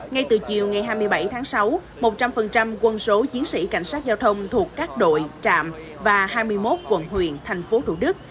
ngay từ chiều ngày hai mươi bảy tháng sáu một trăm linh quân số chiến sĩ cảnh sát giao thông thuộc các đội trạm và hai mươi một quận huyện thành phố thủ đức